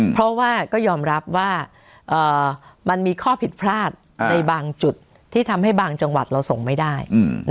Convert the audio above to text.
เพราะว่าก็ยอมรับว่ามันมีข้อผิดพลาดในบางจุดที่ทำให้บางจังหวัดเราส่งไม่ได้